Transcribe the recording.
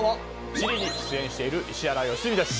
「地理」に出演している石原良純です。